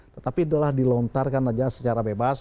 tetapi itu adalah dilontarkan saja secara bebas